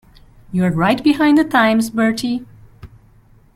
You're right behind the times, Bertie.